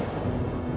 pak papa di